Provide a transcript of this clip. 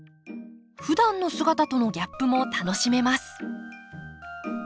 ふだんの姿とのギャップも楽しめます。